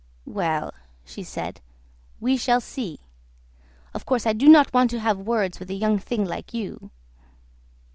"Well," she said, "we shall see. Of course, I do not want to have words with a young thing like you."